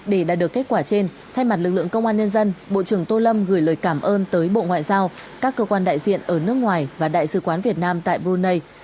để đạt được kết quả trên thay mặt lực lượng công an nhân dân bộ trưởng tô lâm gửi lời cảm ơn tới bộ ngoại giao các cơ quan đại diện ở nước ngoài và đại sứ quán việt nam tại brunei